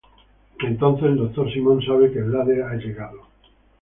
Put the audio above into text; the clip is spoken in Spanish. Entonces el Dr. Simon sabe que Slade ha llegado.